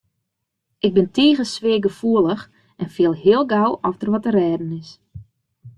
Ik bin tige sfeargefoelich en fiel hiel gau oft der wat te rêden is.